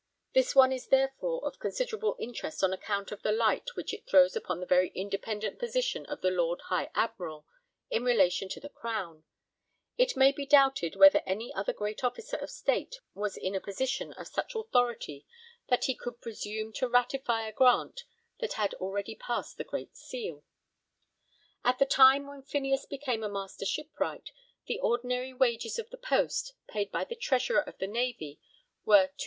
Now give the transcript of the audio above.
This one is therefore of considerable interest on account of the light which it throws upon the very independent position of the Lord High Admiral in relation to the Crown: it may be doubted whether any other great officer of State was in a position of such authority that he could presume to ratify a grant that had already passed the Great Seal. At the time when Phineas became a Master Shipwright, the ordinary wages of the post, paid by the Treasurer of the Navy, were 2_s.